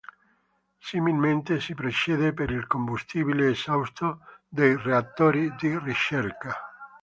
Similmente si procede per il combustibile esausto dei reattori di ricerca.